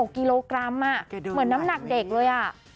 กิโลกรัมเหมือนน้ำหนักเด็กเลย